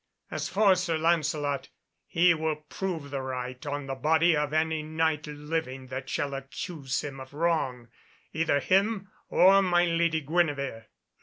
As for Sir Lancelot, he will prove the right on the body of any Knight living that shall accuse him of wrong—either him, or my lady Guenevere."